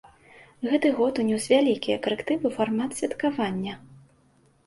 Гэты год унёс вялікія карэктывы ў фармат святкавання.